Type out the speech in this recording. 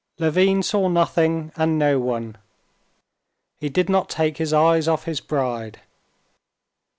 Levin saw nothing and no one; he did not take his eyes off his bride.